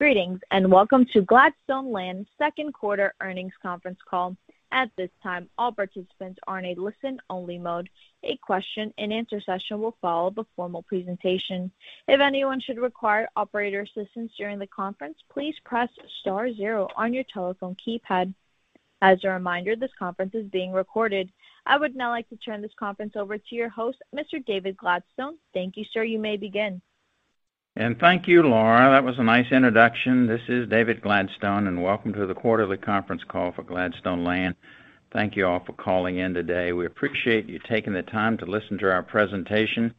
Greetings, welcome to Gladstone Land's second quarter earnings conference call. At this time, all participants are in a listen-only mode. A question-and-answer session will follow the formal presentation. If anyone should require operator assistance during the conference, please press star zero on your telephone keypad. As a reminder, this conference is being recorded. I would now like to turn this conference over to your host, Mr. David Gladstone. Thank you, sir. You may begin. Thank you, Laura. That was a nice introduction. This is David Gladstone, and welcome to the quarterly conference call for Gladstone Land. Thank you all for calling in today. We appreciate you taking the time to listen to our presentation.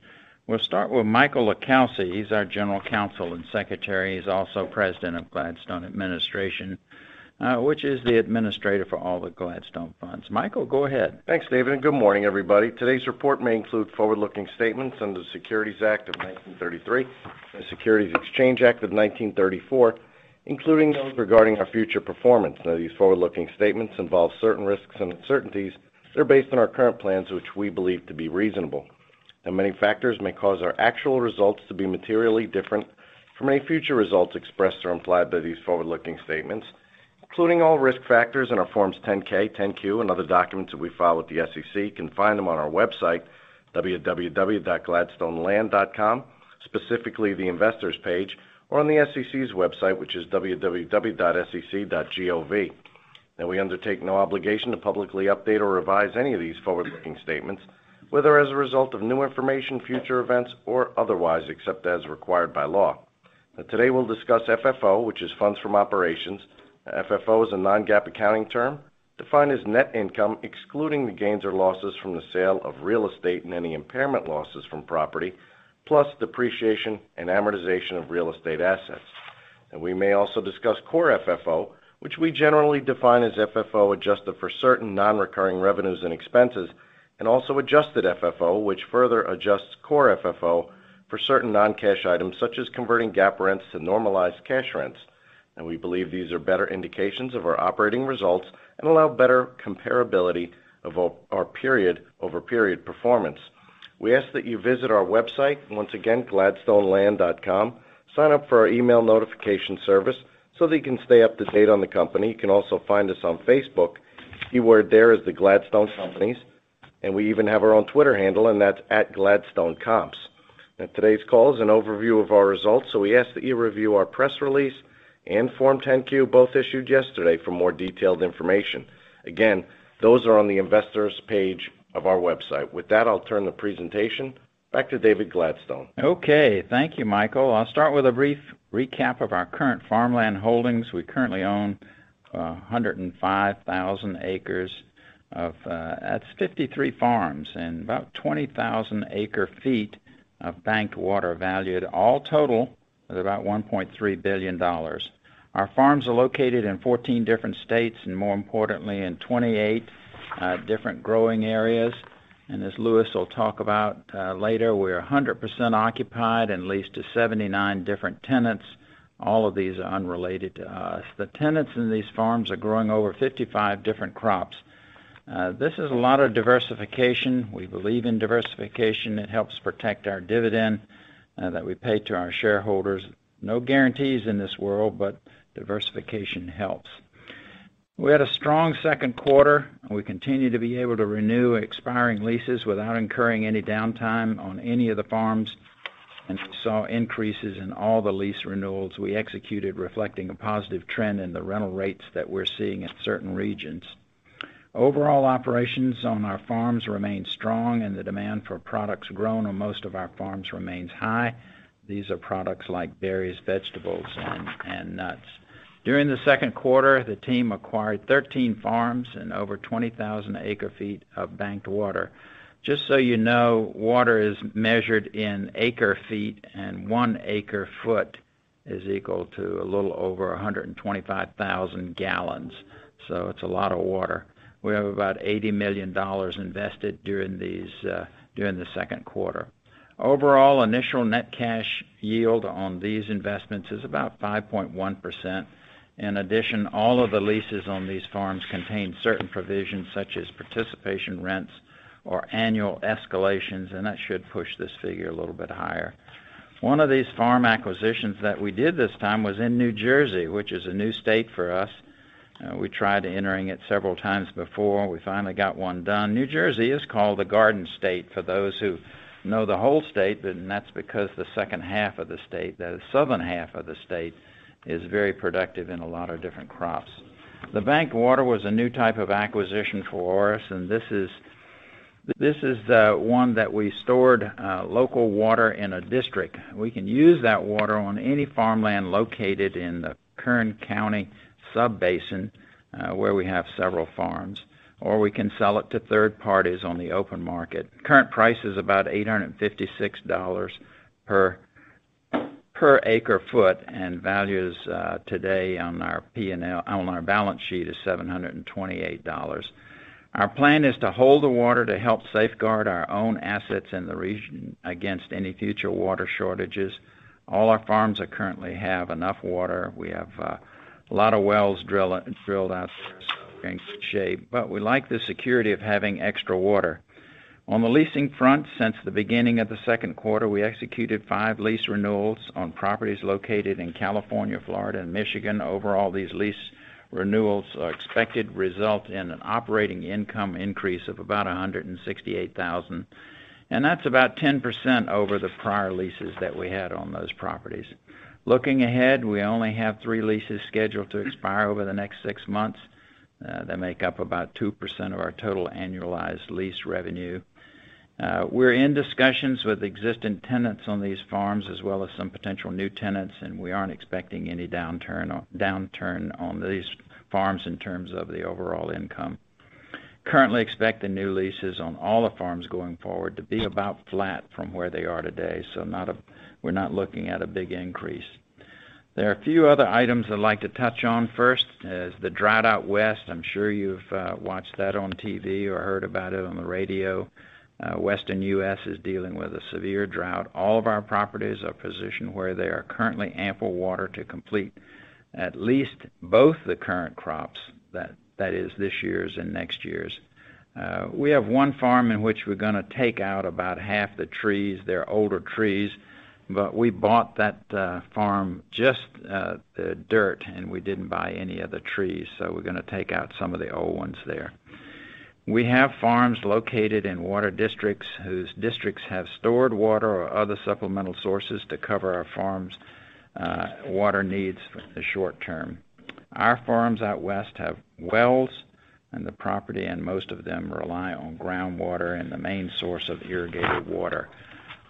We'll start with Michael LiCalsi. He's our general counsel and secretary. He's also President of Gladstone Administration, which is the administrator for all the Gladstone funds. Michael, go ahead. Thanks, David, and good morning, everybody. Today's report may include forward-looking statements under the Securities Act of 1933 and the Securities Exchange Act of 1934, including those regarding our future performance. These forward-looking statements involve certain risks and uncertainties that are based on our current plans, which we believe to be reasonable, and many factors may cause our actual results to be materially different from any future results expressed or implied by these forward-looking statements, including all risk factors in our Forms 10-K, 10-Q and other documents that we file with the SEC. You can find them on our website, www.gladstoneland.com, specifically the Investors page, or on the SEC's website, which is www.sec.gov. We undertake no obligation to publicly update or revise any of these forward-looking statements, whether as a result of new information, future events, or otherwise, except as required by law. Today, we'll discuss FFO, which is funds from operations. FFO is a non-GAAP accounting term defined as net income, excluding the gains or losses from the sale of real estate and any impairment losses from property, plus depreciation and amortization of real estate assets. We may also discuss core FFO, which we generally define as FFO adjusted for certain non-recurring revenues and expenses, and also adjusted FFO, which further adjusts core FFO for certain non-cash items, such as converting GAAP rents to normalized cash rents. We believe these are better indications of our operating results and allow better comparability of our period-over-period performance. We ask that you visit our website, once again, gladstoneland.com. Sign up for our email notification service so that you can stay up to date on the company. You can also find us on Facebook. Keyword there is the Gladstone Companies, and we even have our own Twitter handle, and that's @GladstoneComps. Now, today's call is an overview of our results, so we ask that you review our press release and Form 10-Q, both issued yesterday, for more detailed information. Again, those are on the Investors page of our website. With that, I'll turn the presentation back to David Gladstone. Okay. Thank you, Michael. I'll start with a brief recap of our current farmland holdings. We currently own 105,000 acres at 53 farms, and about 20,000 acre-feet of banked water valued, all total, at about $1.3 billion. Our farms are located in 14 different states, more importantly, in 28 different growing areas. As Lewis will talk about later, we are 100% occupied and lease to 79 different tenants. All of these are unrelated to us. The tenants in these farms are growing over 55 different crops. This is a lot of diversification. We believe in diversification. It helps protect our dividend that we pay to our shareholders. No guarantees in this world, diversification helps. We had a strong second quarter, and we continue to be able to renew expiring leases without incurring any downtime on any of the farms, and we saw increases in all the lease renewals we executed, reflecting a positive trend in the rental rates that we're seeing in certain regions. Overall operations on our farms remain strong, and the demand for products grown on most of our farms remains high. These are products like berries, vegetables, and nuts. During the second quarter, the team acquired 13 farms and over 20,000 acre-feet of banked water. Just so you know, water is measured in acre-feet, and one acre-foot is equal to a little over 125,000 gallons, so it's a lot of water. We have about $80 million invested during the second quarter. Overall, initial net cash yield on these investments is about 5.1%. In addition, all of the leases on these farms contain certain provisions, such as participation rents or annual escalations, and that should push this figure a little bit higher. One of these farm acquisitions that we did this time was in New Jersey, which is a new state for us. We tried entering it several times before. We finally got one done. New Jersey is called the Garden State for those who know the whole state, and that's because the second half of the state, the southern half of the state, is very productive in a lot of different crops. The banked water was a new type of acquisition for us, and this is one that we stored local water in a district. We can use that water on any farmland located in the Kern County Subbasin, where we have several farms, or we can sell it to third parties on the open market. Current price is about $856 per acre-foot, and value is today on our P&L on our balance sheet is $728. Our plan is to hold the water to help safeguard our own assets in the region against any future water shortages. All our farms currently have enough water. We have a lot of wells drilled out there. In good shape. We like the security of having extra water. On the leasing front, since the beginning of the second quarter, we executed five lease renewals on properties located in California, Florida, and Michigan. Overall, these lease renewals are expected result in an operating income increase of about $168,000, and that's about 10% over the prior leases that we had on those properties. Looking ahead, we only have three leases scheduled to expire over the next six months. They make up about 2% of our total annualized lease revenue. We're in discussions with existing tenants on these farms, as well as some potential new tenants, and we aren't expecting any downturn on these farms in terms of the overall income. Currently expecting new leases on all the farms going forward to be about flat from where they are today. We're not looking at a big increase. There are a few other items I'd like to touch on. First is the drought out West. I'm sure you've watched that on TV or heard about it on the radio. Western U.S. is dealing with a severe drought. All of our properties are positioned where there are currently ample water to complete at least both the current crops. That is this year's and next year's. We have one farm in which we're going to take out about half the trees. They're older trees. We bought that farm, just the dirt, and we didn't buy any of the trees. We're going to take out some of the old ones there. We have farms located in water districts whose districts have stored water or other supplemental sources to cover our farms' water needs for the short term. Our farms out West have wells, and the property, and most of them rely on groundwater and the main source of irrigated water.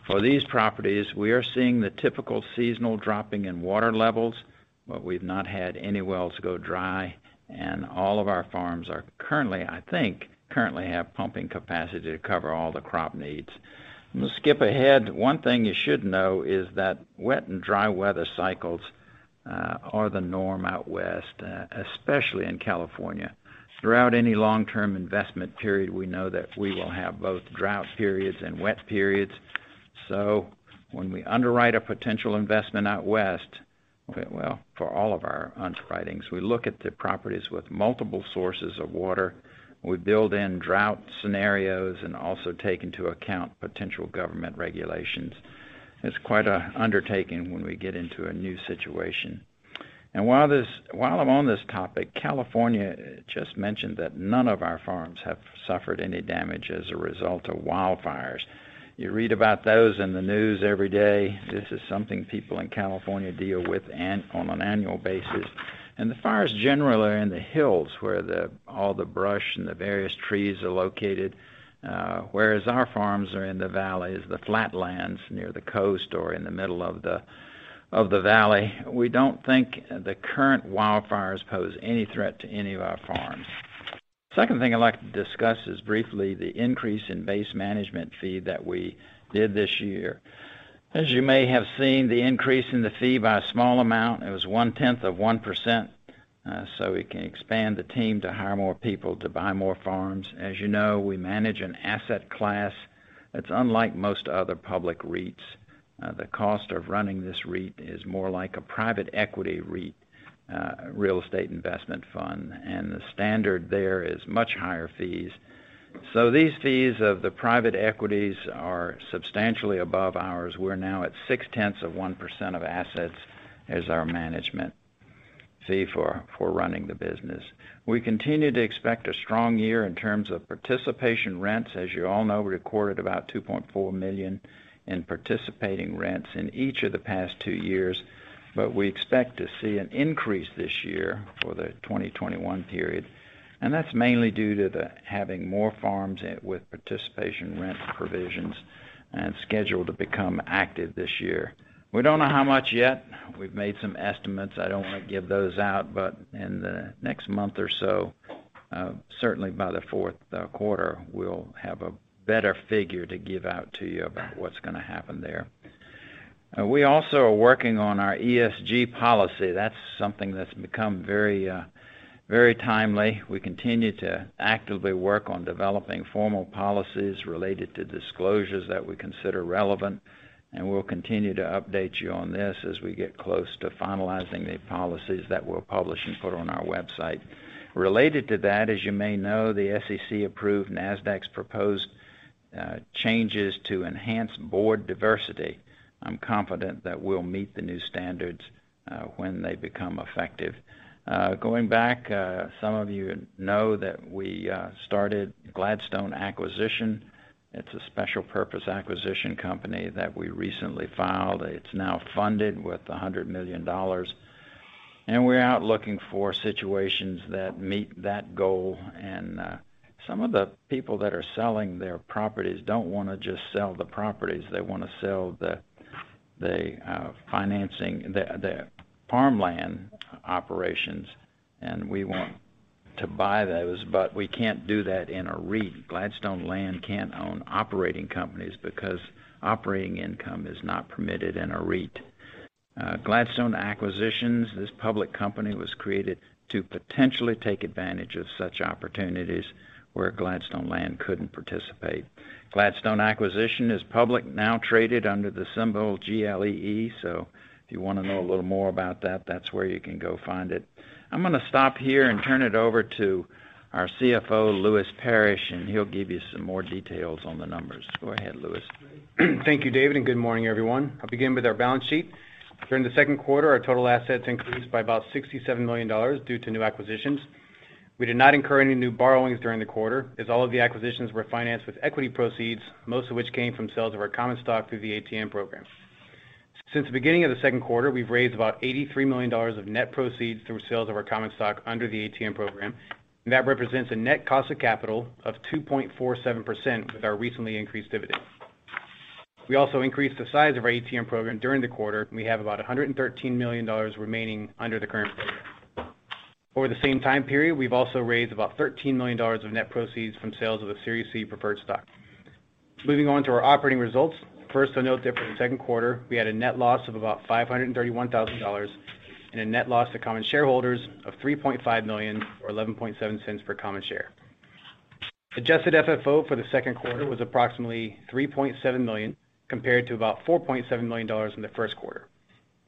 For these properties, we are seeing the typical seasonal dropping in water levels, but we've not had any wells go dry, and all of our farms, I think, currently have pumping capacity to cover all the crop needs. I'm going to skip ahead. One thing you should know is that wet and dry weather cycles are the norm out West, especially in California. Throughout any long-term investment period, we know that we will have both drought periods and wet periods. When we underwrite a potential investment out West, well, for all of our underwritings, we look at the properties with multiple sources of water. We build in drought scenarios and also take into account potential government regulations. It's quite an undertaking when we get into a new situation. While I'm on this topic, California just mentioned that none of our farms have suffered any damage as a result of wildfires. You read about those in the news every day. This is something people in California deal with on an annual basis. The fires generally are in the hills where all the brush and the various trees are located. Whereas our farms are in the valleys, the flatlands near the coast or in the middle of the valley. We don't think the current wildfires pose any threat to any of our farms. Second thing I'd like to discuss is briefly the increase in base management fee that we did this year. As you may have seen, the increase in the fee by a small amount, it was 1/10 of 1%, so we can expand the team to hire more people to buy more farms. As you know, we manage an asset class that's unlike most other public REITs. The cost of running this REIT is more like a private equity REIT, real estate investment fund. The standard there is much higher fees. These fees of the private equities are substantially above ours. We're now at 0.6% of assets as our management fee for running the business. We continue to expect a strong year in terms of participation rents. As you all know, we recorded about $2.4 million in participation rents in each of the past two years, but we expect to see an increase this year for the 2021 period, and that's mainly due to the having more farms with participation rent provisions and scheduled to become active this year. We don't know how much yet. We've made some estimates. I don't want to give those out. In the next month or so, certainly by the fourth quarter, we'll have a better figure to give out to you about what's going to happen there. We also are working on our ESG policy. That's something that's become very timely. We continue to actively work on developing formal policies related to disclosures that we consider relevant, and we'll continue to update you on this as we get close to finalizing the policies that we'll publish and put on our website. Related to that, as you may know, the SEC approved Nasdaq's proposed changes to enhance board diversity. I'm confident that we'll meet the new standards when they become effective. Going back, some of you know that we started Gladstone Acquisition. It's a special purpose acquisition company that we recently filed. It's now funded with $100 million. We're out looking for situations that meet that goal. Some of the people that are selling their properties don't want to just sell the properties. They want to sell the farmland operations, and we want to buy those, but we can't do that in a REIT. Gladstone Land can't own operating companies because operating income is not permitted in a REIT. Gladstone Acquisition, this public company was created to potentially take advantage of such opportunities where Gladstone Land couldn't participate. Gladstone Acquisition is public, now traded under the symbol GLEE. If you want to know a little more about that's where you can go find it. I'm going to stop here and turn it over to our CFO, Lewis Parrish, and he'll give you some more details on the numbers. Go ahead, Lewis. Thank you, David. Good morning, everyone. I'll begin with our balance sheet. During the second quarter, our total assets increased by about $67 million due to new acquisitions. We did not incur any new borrowings during the quarter, as all of the acquisitions were financed with equity proceeds, most of which came from sales of our common stock through the ATM program. Since the beginning of the second quarter, we've raised about $83 million of net proceeds through sales of our common stock under the ATM program. That represents a net cost of capital of 2.47% with our recently increased dividend. We also increased the size of our ATM program during the quarter. We have about $113 million remaining under the current program. Over the same time period, we've also raised about $13 million of net proceeds from sales of the Series C preferred stock. Moving on to our operating results. First, I'll note that for the second quarter, we had a net loss of about $531,000 and a net loss to common shareholders of $3.5 million, or $0.117 per common share. Adjusted FFO for the second quarter was approximately $3.7 million, compared to about $4.7 million in the first quarter.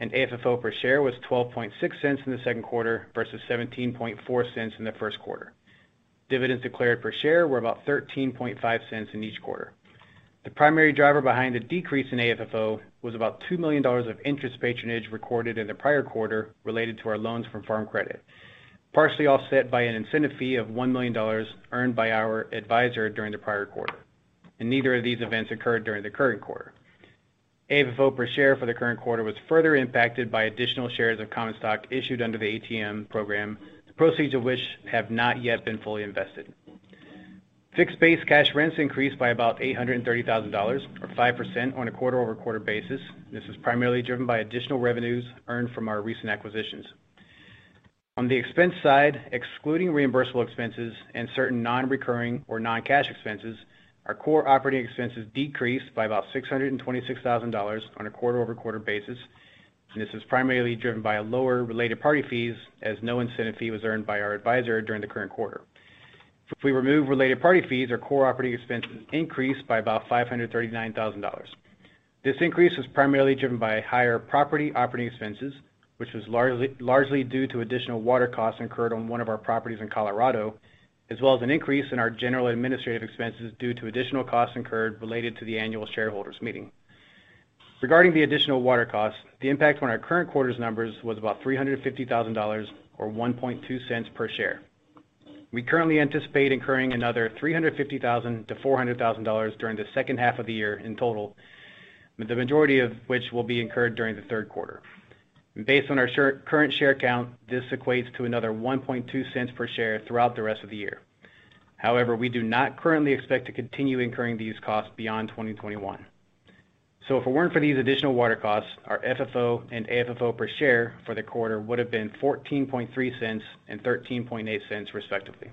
AFFO per share was $0.126 in the second quarter versus $0.174 in the first quarter. Dividends declared per share were about $0.135 in each quarter. The primary driver behind the decrease in AFFO was about $2 million of interest patronage recorded in the prior quarter related to our loans from Farm Credit, partially offset by an incentive fee of $1 million earned by our advisor during the prior quarter. Neither of these events occurred during the current quarter. AFFO per share for the current quarter was further impacted by additional shares of common stock issued under the ATM program, the proceeds of which have not yet been fully invested. Fixed base cash rents increased by about $830,000, or 5%, on a quarter-over-quarter basis. This was primarily driven by additional revenues earned from our recent acquisitions. On the expense side, excluding reimbursable expenses and certain non-recurring or non-cash expenses, our core operating expenses decreased by about $626,000 on a quarter-over-quarter basis, and this was primarily driven by lower related party fees, as no incentive fee was earned by our advisor during the current quarter. If we remove related party fees, our core operating expenses increased by about $539,000. This increase was primarily driven by higher property operating expenses, which was largely due to additional water costs incurred on one of our properties in Colorado, as well as an increase in our general administrative expenses due to additional costs incurred related to the annual shareholders meeting. Regarding the additional water costs, the impact on our current quarter's numbers was about $350,000, or $0.012 per share. We currently anticipate incurring another $350,000-$400,000 during the second half of the year in total, the majority of which will be incurred during the third quarter. Based on our current share count, this equates to another $0.012 per share throughout the rest of the year. However, we do not currently expect to continue incurring these costs beyond 2021. If it weren't for these additional water costs, our FFO and AFFO per share for the quarter would have been $0.143 and $0.138, respectively.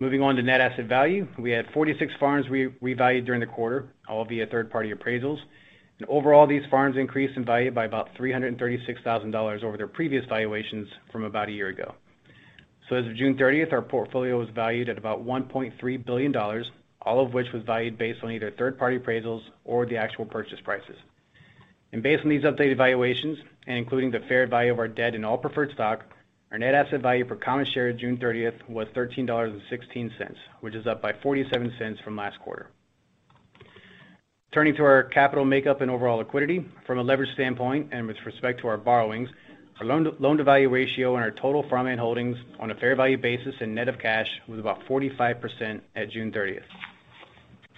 Moving on to net asset value, we had 46 farms revalued during the quarter, all via third-party appraisals. Overall, these farms increased in value by about $336,000 over their previous valuations from about a year ago. As of June 30th, our portfolio was valued at about $1.3 billion, all of which was valued based on either third-party appraisals or the actual purchase prices. Based on these updated valuations, and including the fair value of our debt and all preferred stock, our net asset value per common share at June 30th was $13.16, which is up by $0.47 from last quarter. Turning to our capital makeup and overall liquidity, from a leverage standpoint and with respect to our borrowings, our loan-to-value ratio on our total farmland holdings on a fair value basis and net of cash was about 45% at June 30th.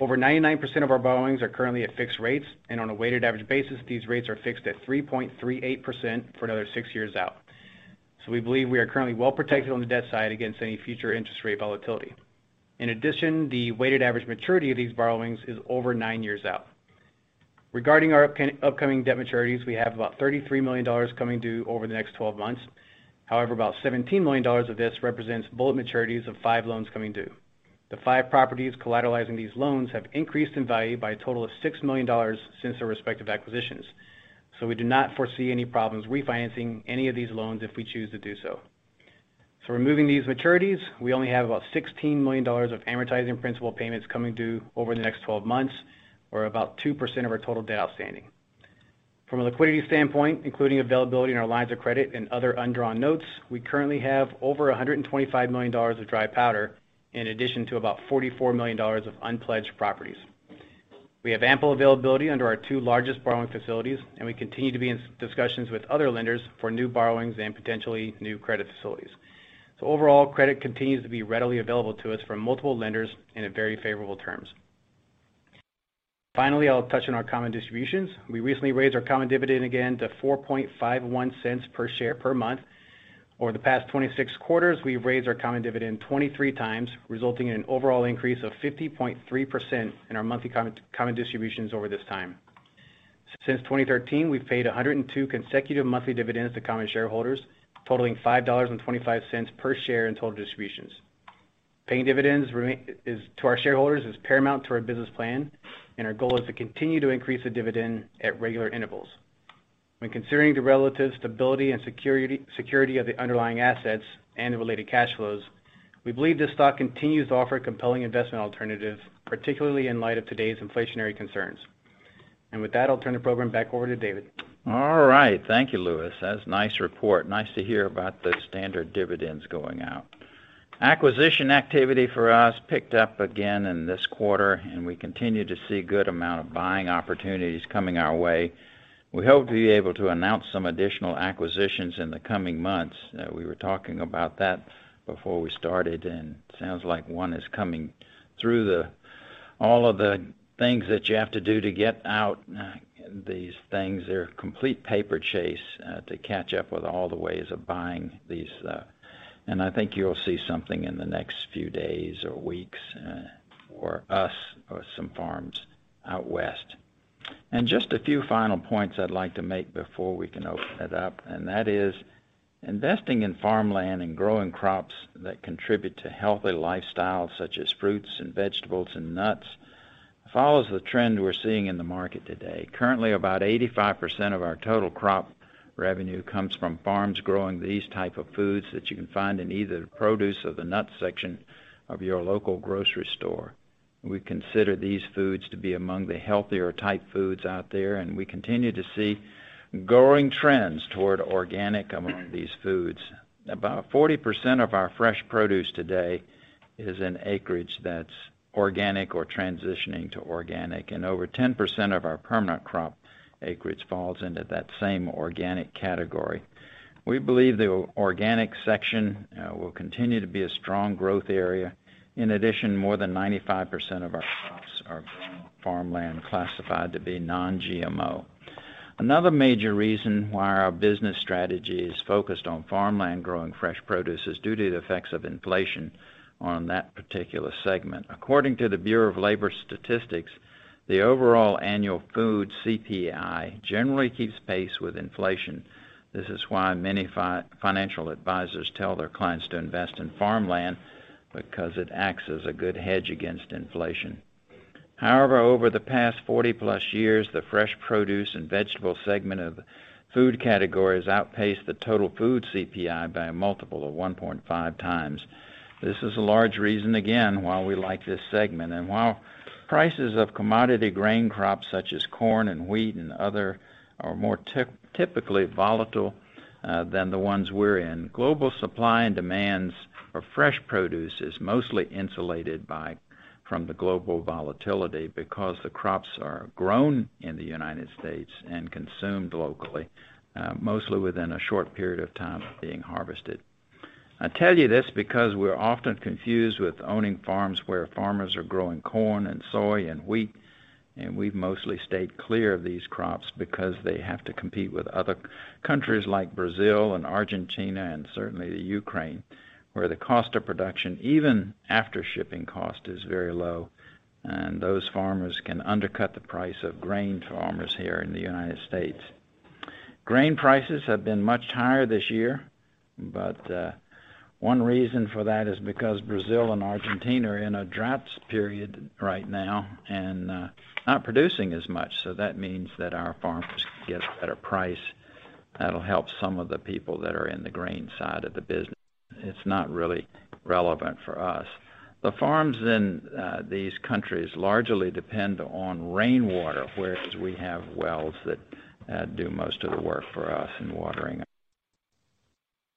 Over 99% of our borrowings are currently at fixed rates. On a weighted average basis, these rates are fixed at 3.38% for another six years out. We believe we are currently well protected on the debt side against any future interest rate volatility. In addition, the weighted average maturity of these borrowings is over nine years out. Regarding our upcoming debt maturities, we have about $33 million coming due over the next 12 months. However, about $17 million of this represents bullet maturities of five loans coming due. The five properties collateralizing these loans have increased in value by a total of $6 million since their respective acquisitions. We do not foresee any problems refinancing any of these loans if we choose to do so. Removing these maturities, we only have about $16 million of amortizing principal payments coming due over the next 12 months, or about 2% of our total debt outstanding. From a liquidity standpoint, including availability in our lines of credit and other undrawn notes, we currently have over $125 million of dry powder, in addition to about $44 million of unpledged properties. We have ample availability under our two largest borrowing facilities, and we continue to be in discussions with other lenders for new borrowings and potentially new credit facilities. Overall, credit continues to be readily available to us from multiple lenders and at very favorable terms. I'll touch on our common distributions. We recently raised our common dividend again to $0.0451 per share per month. Over the past 26 quarters, we've raised our common dividend 23x, resulting in an overall increase of 50.3% in our monthly common distributions over this time. Since 2013, we've paid 102 consecutive monthly dividends to common shareholders, totaling $5.25 per share in total distributions. Paying dividends to our shareholders is paramount to our business plan. Our goal is to continue to increase the dividend at regular intervals. When considering the relative stability and security of the underlying assets and the related cash flows, we believe this stock continues to offer a compelling investment alternative, particularly in light of today's inflationary concerns. With that, I'll turn the program back over to David. All right. Thank you, Lewis. That's a nice report. Nice to hear about the standard dividends going out. Acquisition activity for us picked up again in this quarter. We continue to see a good amount of buying opportunities coming our way. We hope to be able to announce some additional acquisitions in the coming months. We were talking about that before we started. It sounds like one is coming through the all of the things that you have to do to get out these things. They're a complete paper chase to catch up with all the ways of buying these. I think you'll see something in the next few days or weeks for us or some farms out west. Just a few final points I'd like to make before we can open it up, and that is investing in farmland and growing crops that contribute to healthy lifestyles, such as fruits and vegetables and nuts, follows the trend we're seeing in the market today. Currently, about 85% of our total crop revenue comes from farms growing these type of foods that you can find in either the produce or the nut section of your local grocery store. We consider these foods to be among the healthier type foods out there, and we continue to see growing trends toward organic among these foods. About 40% of our fresh produce today is in acreage that's organic or transitioning to organic, and over 10% of our permanent crop acreage falls into that same organic category. We believe the organic section will continue to be a strong growth area. In addition, more than 95% of our crops are grown on farmland classified to be non-GMO. Another major reason why our business strategy is focused on farmland growing fresh produce is due to the effects of inflation on that particular segment. According to the Bureau of Labor Statistics, the overall annual food CPI generally keeps pace with inflation. This is why many financial advisors tell their clients to invest in farmland, because it acts as a good hedge against inflation. However, over the past 40+ years, the fresh produce and vegetable segment of food categories outpaced the total food CPI by a multiple of 1.5x. This is a large reason, again, why we like this segment. While prices of commodity grain crops such as corn and wheat and other are more typically volatile than the ones we're in, global supply and demands for fresh produce is mostly insulated from the global volatility because the crops are grown in the United States and consumed locally, mostly within a short period of time of being harvested. I tell you this because we're often confused with owning farms where farmers are growing corn and soy and wheat, and we've mostly stayed clear of these crops because they have to compete with other countries like Brazil and Argentina and certainly the Ukraine, where the cost of production, even after shipping cost, is very low, and those farmers can undercut the price of grain farmers here in the United States. Grain prices have been much higher this year, but one reason for that is because Brazil and Argentina are in a drought period right now and not producing as much. That means that our farmers can get a better price. That'll help some of the people that are in the grain side of the business. It's not really relevant for us. The farms in these countries largely depend on rainwater, whereas we have wells that do most of the work for us in watering.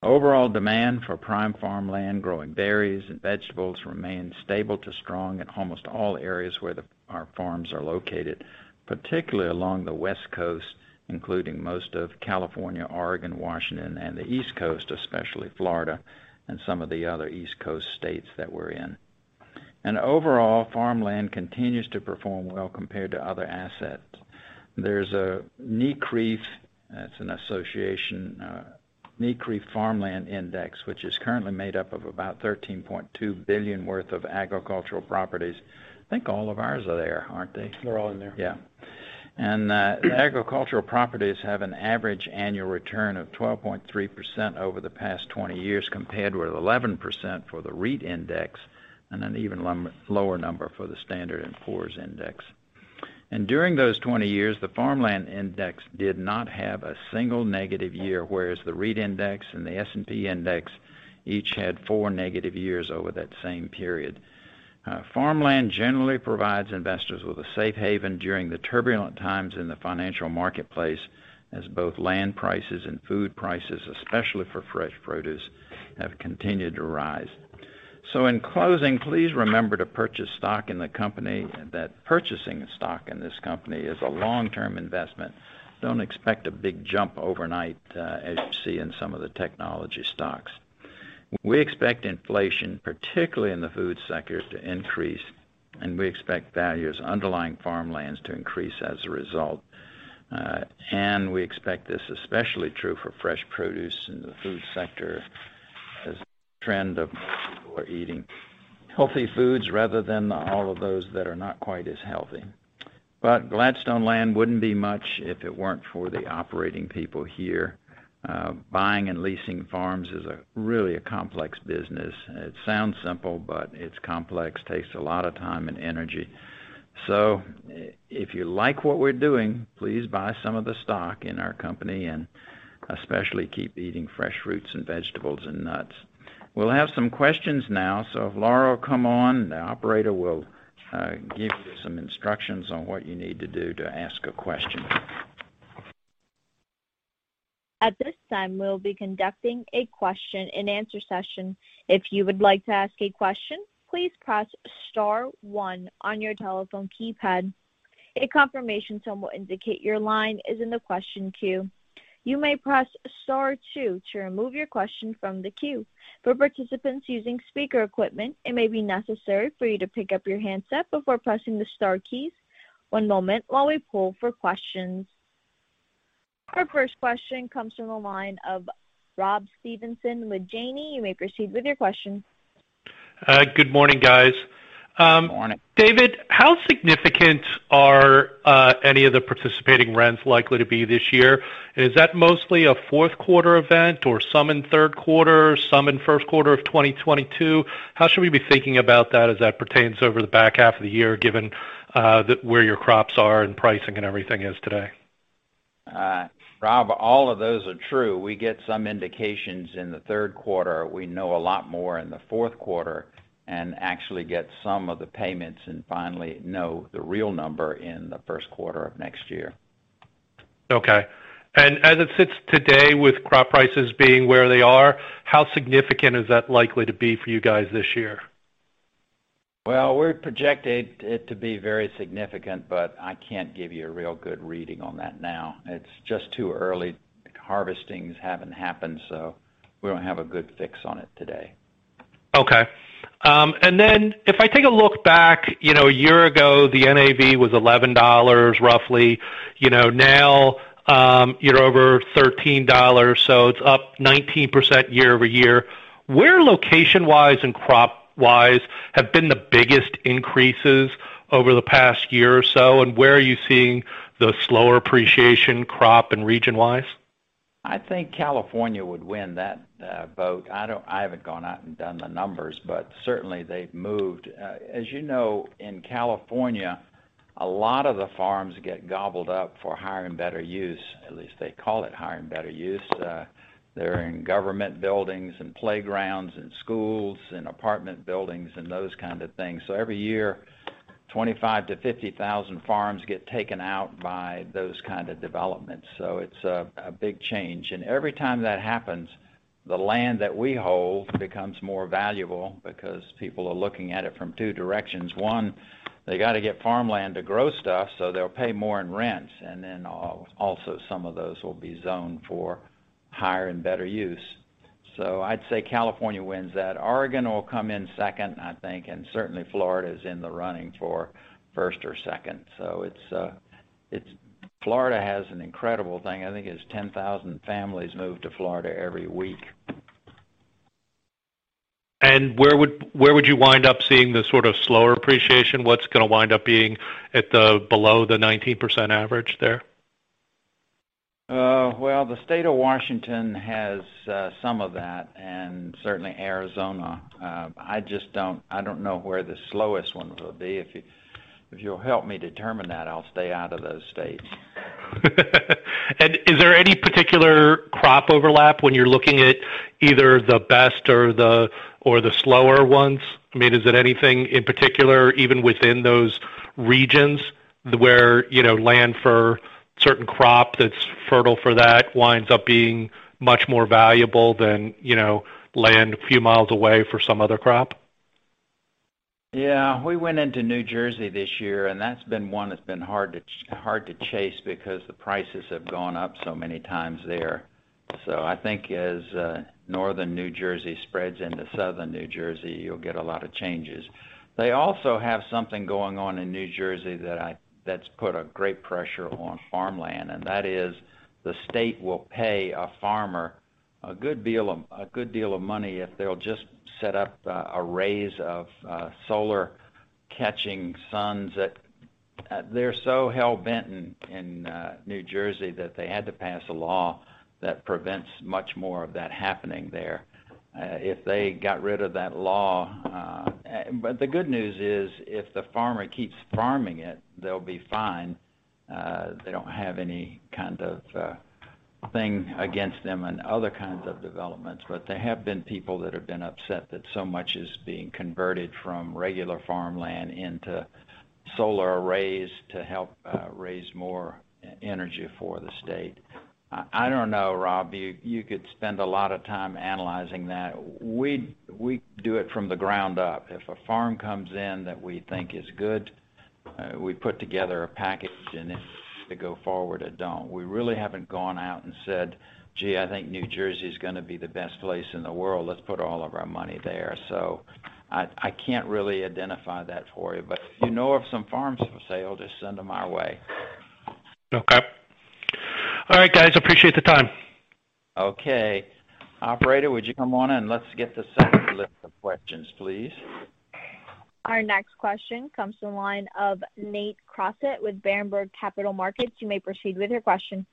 Overall demand for prime farmland growing berries and vegetables remains stable to strong in almost all areas where our farms are located, particularly along the West Coast, including most of California, Oregon, Washington, and the East Coast, especially Florida and some of the other East Coast states that we're in. Overall, farmland continues to perform well compared to other assets. There's a NCREIF, that's an association, NCREIF Farmland Index, which is currently made up of about $13.2 billion worth of agricultural properties. I think all of ours are there, aren't they? They're all in there. The agricultural properties have an average annual return of 12.3% over the past 20 years, compared with 11% for the REIT index, and an even lower number for the Standard & Poor's index. During those 20 years, the farmland index did not have a single negative year, whereas the REIT index and the S&P index each had four negative years over that same period. Farmland generally provides investors with a safe haven during the turbulent times in the financial marketplace, as both land prices and food prices, especially for fresh produce, have continued to rise. In closing, please remember to purchase stock in the company, that purchasing stock in this company is a long-term investment. Don't expect a big jump overnight as you see in some of the technology stocks. We expect inflation, particularly in the food sector, to increase. We expect values underlying farmlands to increase as a result. We expect this especially true for fresh produce in the food sector as the trend of more people are eating healthy foods rather than all of those that are not quite as healthy. Gladstone Land wouldn't be much if it weren't for the operating people here. Buying and leasing farms is really a complex business. It sounds simple, but it's complex, takes a lot of time and energy. If you like what we're doing, please buy some of the stock in our company, and especially keep eating fresh fruits and vegetables and nuts. We'll have some questions now. If Laura will come on, the operator will give you some instructions on what you need to do to ask a question. At this time, we'll be conducting a question and answer session. If you would like to ask a question, please press star one on your telephone keypad. A confirmation tone will indicate your line is in the question queue. You may press star two to remove your question from the queue. For participants using speaker equipment, it may be necessary for you to pick up your handset before pressing the star keys. One moment while we poll for questions. Our first question comes from the line of Rob Stevenson with Janney. You may proceed with your question. Good morning, guys. Morning. David, how significant are any of the participation rents likely to be this year? Is that mostly a fourth quarter event, or some in third quarter, some in first quarter of 2022? How should we be thinking about that as that pertains over the back half of the year, given where your crops are and pricing and everything is today? Rob, all of those are true. We get some indications in the third quarter. We know a lot more in the fourth quarter. Actually get some of the payments and finally know the real number in the first quarter of next year. Okay. As it sits today with crop prices being where they are, how significant is that likely to be for you guys this year? Well, we're projecting it to be very significant, but I can't give you a real good reading on that now. It's just too early. Harvestings haven't happened, so we don't have a good fix on it today. Okay. If I take a look back a year ago, the NAV was $11, roughly. Now you're over $13, so it's up 19% year-over-year. Where, location-wise and crop-wise, have been the biggest increases over the past year or so, and where are you seeing the slower appreciation crop and region-wise? I think California would win that vote. I haven't gone out and done the numbers, but certainly they've moved. As you know, in California, a lot of the farms get gobbled up for higher and better use. At least they call it higher and better use. They're in government buildings and playgrounds and schools and apartment buildings and those kind of things. Every year, 25-50,000 farms get taken out by those kind of developments. It's a big change. Every time that happens, the land that we hold becomes more valuable because people are looking at it from two directions. One, they got to get farmland to grow stuff, so they'll pay more in rents. Also some of those will be zoned for higher and better use. I'd say California wins that. Oregon will come in second, I think, and certainly Florida's in the running for first or second. Florida has an incredible thing. I think it's 10,000 families move to Florida every week. Where would you wind up seeing the sort of slower appreciation? What's going to wind up being below the 19% average there? Well, the state of Washington has some of that, and certainly Arizona. I don't know where the slowest ones will be. If you'll help me determine that, I'll stay out of those states. Is there any particular crop overlap when you're looking at either the best or the slower ones? Is it anything in particular, even within those regions where land for certain crop that's fertile for that winds up being much more valuable than land a few miles away for some other crop? We went into New Jersey this year. That's been one that's been hard to chase because the prices have gone up so many times there. I think as Northern New Jersey spreads into Southern New Jersey, you'll get a lot of changes. They also have something going on in New Jersey that's put a great pressure on farmland, and that is the state will pay a farmer a good deal of money if they'll just set up a raise. They're so hell-bent in New Jersey that they had to pass a law that prevents much more of that happening there. If they got rid of that law. The good news is if the farmer keeps farming it, they'll be fine. They don't have any kind of thing against them and other kinds of developments. There have been people that have been upset that so much is being converted from regular farmland into solar arrays to help raise more energy for the state. I don't know, Rob, you could spend a lot of time analyzing that. We do it from the ground up. If a farm comes in that we think is good, we put together a package and if they go forward it, don't. We really haven't gone out and said, "Gee, I think New Jersey's going to be the best place in the world. Let's put all of our money there." I can't really identify that for you. If you know of some farms for sale, just send them our way. Okay. All right, guys. I appreciate the time. Okay. Operator, would you come on and let's get the second list of questions, please. Our next question comes from the line of Nate Crossett with Berenberg Capital Markets. You may proceed with your question.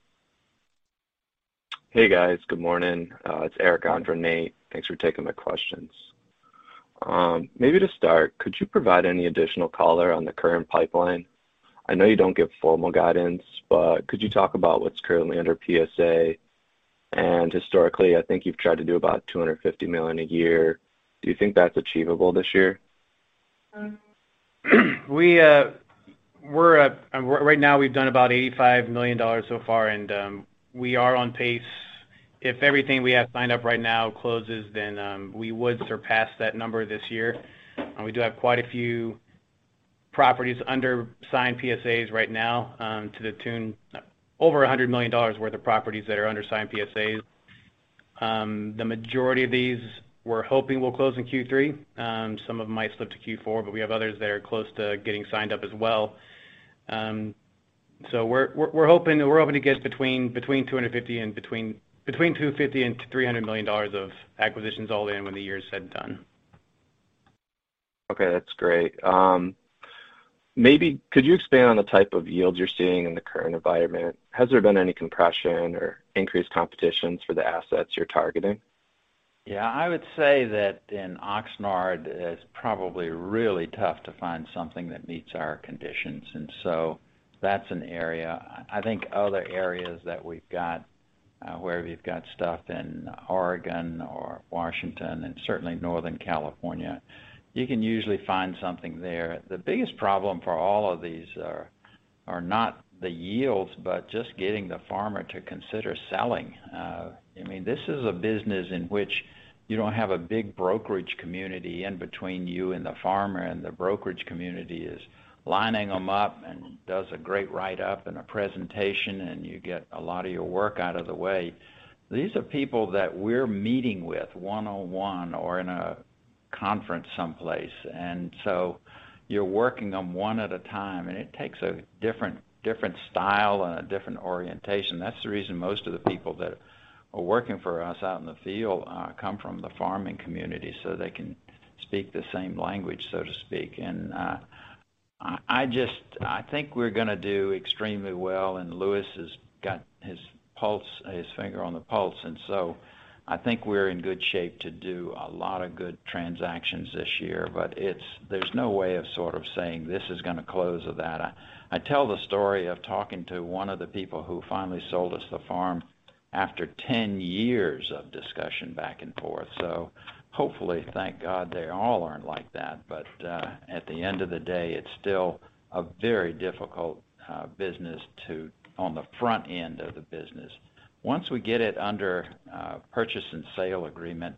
Hey, guys. Good morning. It's Eric on for Nate. Thanks for taking my questions. Maybe to start, could you provide any additional color on the current pipeline? I know you don't give formal guidance, but could you talk about what's currently under PSA? Historically, I think you've tried to do about $250 million a year. Do you think that's achievable this year? Right now, we've done about $85 million so far, and we are on pace. If everything we have signed up right now closes, then we would surpass that number this year. We do have quite a few properties under signed PSAs right now, to the tune over $100 million worth of properties that are under signed PSAs. The majority of these we're hoping will close in Q3. Some of them might slip to Q4, but we have others that are close to getting signed up as well. We're hoping to get between $250 million and $300 million of acquisitions all in when the year is said and done. Okay, that's great. Maybe could you expand on the type of yields you're seeing in the current environment? Has there been any compression or increased competition for the assets you're targeting? Yeah, I would say that in Oxnard, it's probably really tough to find something that meets our conditions. That's an area. I think other areas that we've got, where we've got stuff in Oregon or Washington and certainly Northern California, you can usually find something there. The biggest problem for all of these are not the yields, but just getting the farmer to consider selling. This is a business in which you don't have a big brokerage community in between you and the farmer, and the brokerage community is lining them up and does a great write-up and a presentation, and you get a lot of your work out of the way. These are people that we're meeting with one-on-one or in a conference someplace. You're working them one at a time, and it takes a different style and a different orientation. That's the reason most of the people that are working for us out in the field come from the farming community, so they can speak the same language, so to speak. I think we're going to do extremely well, Lewis has got his finger on the pulse, I think we're in good shape to do a lot of good transactions this year. There's no way of sort of saying, "This is going to close or that." I tell the story of talking to one of the people who finally sold us the farm after 10 years of discussion back and forth. Hopefully, thank God they all aren't like that. At the end of the day, it's still a very difficult business on the front end of the business. Once we get it under purchase and sale agreement,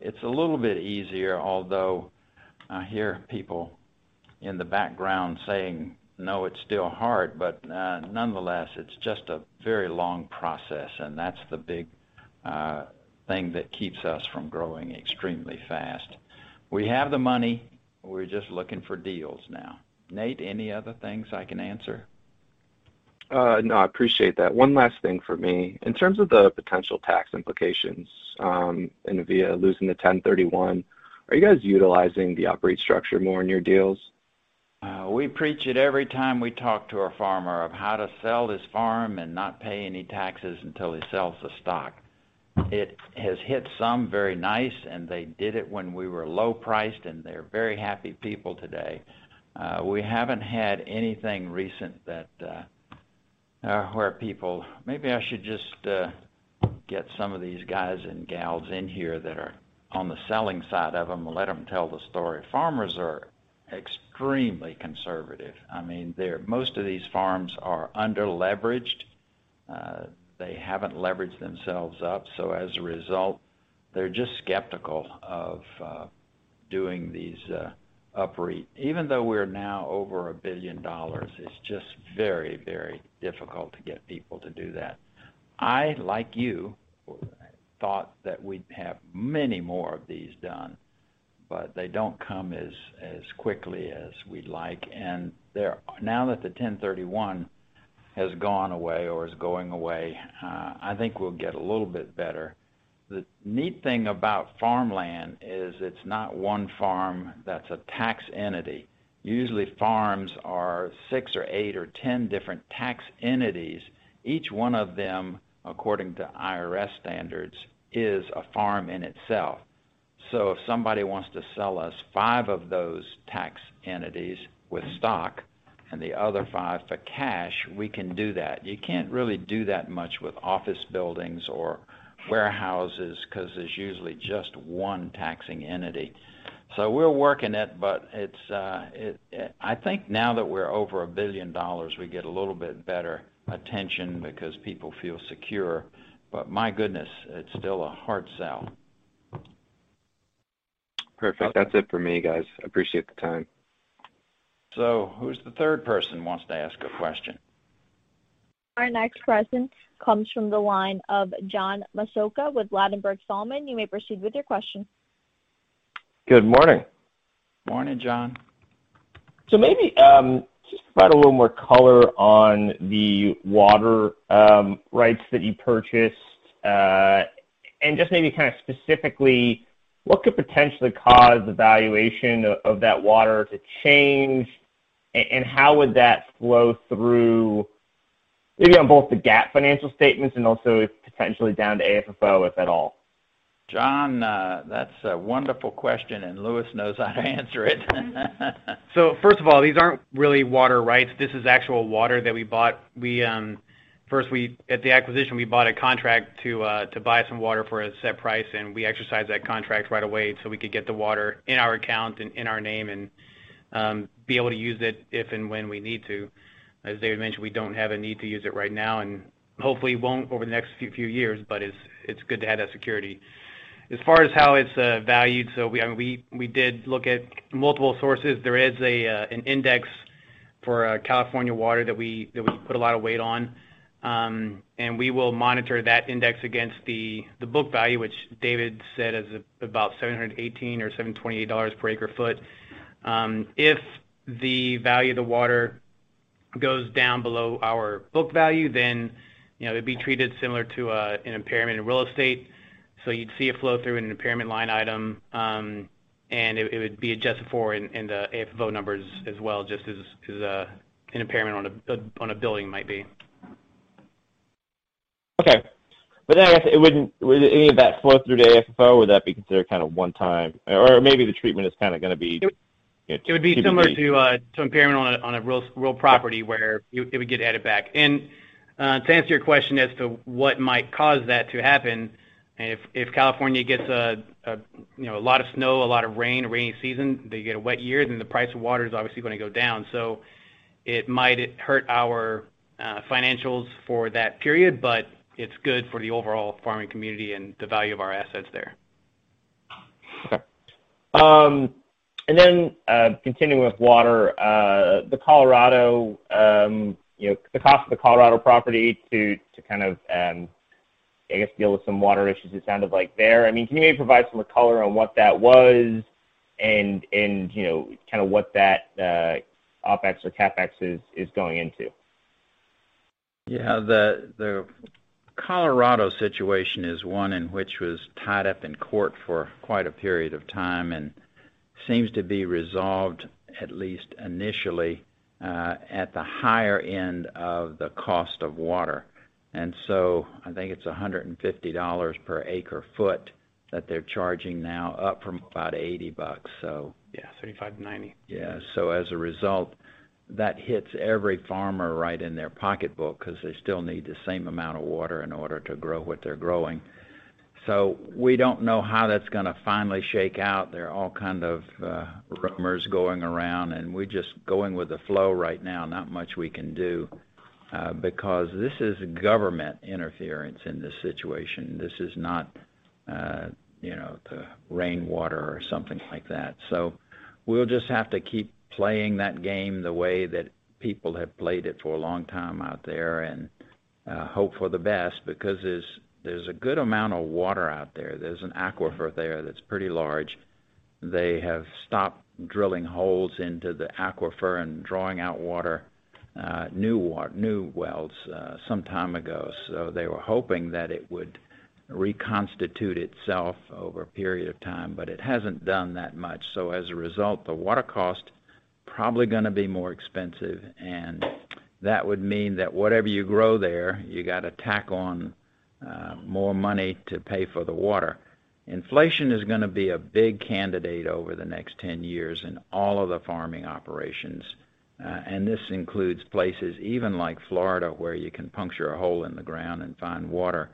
it's a little bit easier, although I hear people in the background saying, "No, it's still hard." Nonetheless, it's just a very long process, and that's the big thing that keeps us from growing extremely fast. We have the money. We're just looking for deals now. Nate, any other things I can answer? No, I appreciate that. One last thing for me. In terms of the potential tax implications, and via losing the 1031, are you guys utilizing the UPREIT structure more in your deals? We preach it every time we talk to a farmer of how to sell this farm and not pay any taxes until he sells the stock. It has hit some very nice, and they did it when we were low priced, and they're very happy people today. We haven't had anything recent where people. Maybe I should just get some of these guys and gals in here that are on the selling side of them and let them tell the story. Farmers are extremely conservative. Most of these farms are under-leveraged. They haven't leveraged themselves up. As a result, they're just skeptical of doing these operating. Even though we're now over $1 billion, it's just very, very difficult to get people to do that. I, like you, thought that we'd have many more of these done. They don't come as quickly as we'd like. Now that the 1031 has gone away or is going away, I think we'll get a little bit better. The neat thing about farmland is it's not one farm that's a tax entity. Usually, farms are 6 or 8 or 10 different tax entities. Each one of them, according to IRS standards, is a farm in itself. If somebody wants to sell us five of those tax entities with stock and the other five for cash, we can do that. You can't really do that much with office buildings or warehouses because there's usually just one taxing entity. We're working it, but I think now that we're over $1 billion, we get a little bit better attention because people feel secure. My goodness, it's still a hard sell. Perfect. That's it for me, guys. Appreciate the time. Who's the third person who wants to ask a question? Our next question comes from the line of John Massocca with Ladenburg Thalmann. You may proceed with your question. Good morning. Morning, John. Maybe just provide a little more color on the water rights that you purchased, and just maybe specifically what could potentially cause the valuation of that water to change, and how would that flow through, maybe on both the GAAP financial statements and also potentially down to AFFO, if at all? John, that's a wonderful question, and Lewis knows how to answer it. First of all, these aren't really water rights. This is actual water that we bought. First, at the acquisition, we bought a contract to buy some water for a set price, and we exercised that contract right away so we could get the water in our account and in our name, and be able to use it if and when we need to. As David mentioned, we don't have a need to use it right now, and hopefully won't over the next few years, but it's good to have that security. As far as how it's valued, we did look at multiple sources. There is an index for California water that we put a lot of weight on. We will monitor that index against the book value, which David said is about $718 or $728 per acre foot. If the value of the water goes down below our book value, it'd be treated similar to an impairment in real estate. You'd see it flow through in an impairment line item, and it would be adjusted for in the AFFO numbers as well, just as an impairment on a building might be. Okay. I guess would any of that flow through to AFFO or would that be considered one time? Maybe the treatment is going to be? It would be similar to impairment on a real property where it would get added back. To answer your question as to what might cause that to happen, if California gets a lot of snow, a lot of rain, a rainy season, they get a wet year, then the price of water is obviously going to go down. It might hurt our financials for that period, but it's good for the overall farming community and the value of our assets there. Okay. Continuing with water, the cost of the Colorado property to, I guess, deal with some water issues, it sounded like there. Can you maybe provide some color on what that was and what that OpEx or CapEx is going into? Yeah. The Colorado situation is one in which was tied up in court for quite a period of time, and seems to be resolved, at least initially, at the higher end of the cost of water. I think it's $150 per acre foot that they're charging now, up from about $80. Yeah, $75-$90. Yeah. As a result, that hits every farmer right in their pocketbook because they still need the same amount of water in order to grow what they're growing. We don't know how that's going to finally shake out. There are all kinds of rumors going around, and we're just going with the flow right now. Not much we can do. This is government interference in this situation. This is not the rainwater or something like that. We'll just have to keep playing that game the way that people have played it for a long time out there, and hope for the best. There's a good amount of water out there. There's an aquifer there that's pretty large. They have stopped drilling holes into the aquifer and drawing out water, new wells, some time ago. They were hoping that it would reconstitute itself over a period of time, but it hasn't done that much. As a result, the water cost probably going to be more expensive, and that would mean that whatever you grow there, you got to tack on more money to pay for the water. Inflation is going to be a big candidate over the next 10 years in all of the farming operations. This includes places even like Florida, where you can puncture a hole in the ground and find water.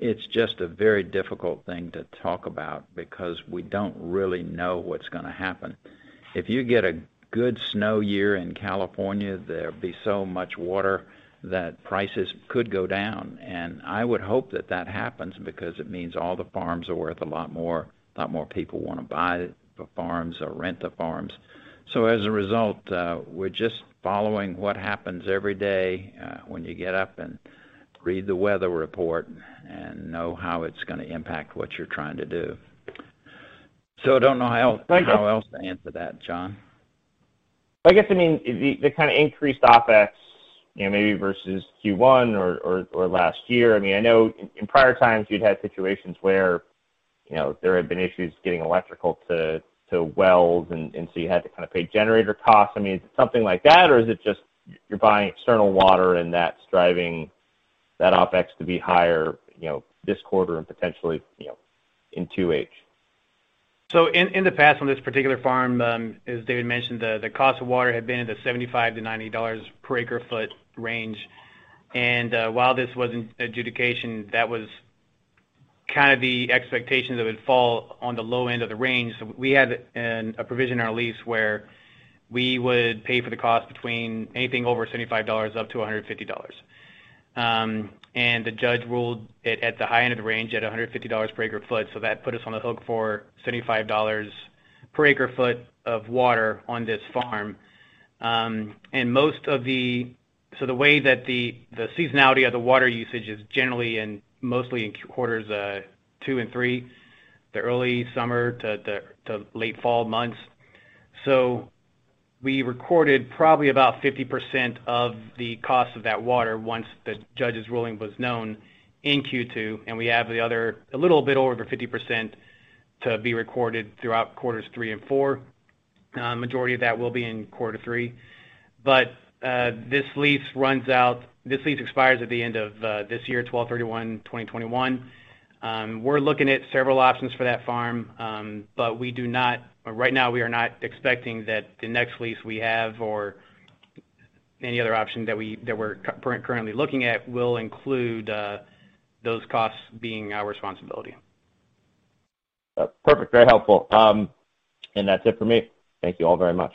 It's just a very difficult thing to talk about because we don't really know what's going to happen. If you get a good snow year in California, there'd be so much water that prices could go down. I would hope that that happens because it means all the farms are worth a lot more, a lot more people want to buy the farms or rent the farms. As a result, we're just following what happens every day, when you get up and read the weather report, and know how it's going to impact what you're trying to do. Don't know how else to answer that, John. I guess, the increased OpEx, maybe versus Q1 or last year. I know in prior times you'd had situations where there had been issues getting electrical to wells and so you had to pay generator costs. Is it something like that, or is it just you're buying external water and that's driving that OpEx to be higher this quarter and potentially in 2H? In the past on this particular farm, as David mentioned, the cost of water had been in the $75-$90 per acre-foot range. While this was in adjudication, that was the expectation that it would fall on the low end of the range. We had a provision in our lease where we would pay for the cost between anything over $75 up to $150. The judge ruled it at the high end of the range at $150 per acre-foot, that put us on the hook for $75 per acre-foot of water on this farm. The way that the seasonality of the water usage is generally in mostly in quarters two and three, the early summer to late fall months. We recorded probably about 50% of the cost of that water once the judge's ruling was known in Q2, and we have the other, a little bit over 50% to be recorded throughout quarters three and four. Majority of that will be in quarter three. This lease expires at the end of this year, December 31, 2021. We are looking at several options for that farm. Right now we are not expecting that the next lease we have or any other option that we are currently looking at will include those costs being our responsibility. Perfect. Very helpful. That's it for me. Thank you all very much.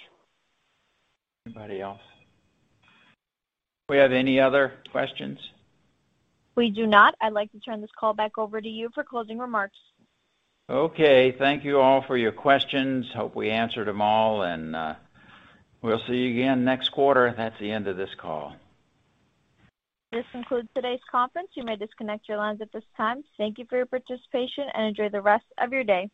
Anybody else? We have any other questions? We do not. I'd like to turn this call back over to you for closing remarks. Okay. Thank you all for your questions. Hope we answered them all, and we'll see you again next quarter. That's the end of this call. This concludes today's conference. You may disconnect your lines at this time. Thank you for your participation, and enjoy the rest of your day.